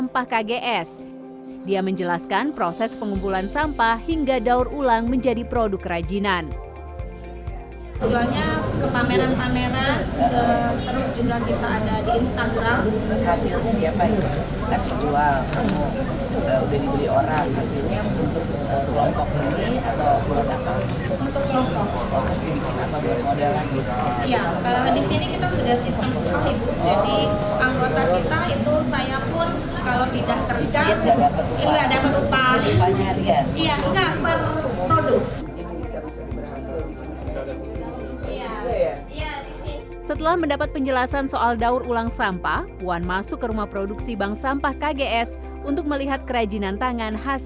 puan juga menyambangi rumah bumn yang beranggotakan seratus pelaku umkm palembang